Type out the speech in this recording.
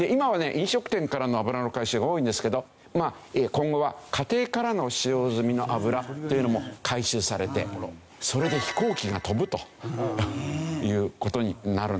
飲食店からの油の回収が多いんですけど今後は家庭からの使用済みの油というのも回収されてそれで飛行機が飛ぶという事になるんですね。